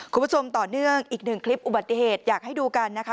คุณผู้ชมต่อเนื่องอีกหนึ่งคลิปอุบัติเหตุอยากให้ดูกันนะคะ